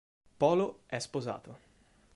Polo è sposato.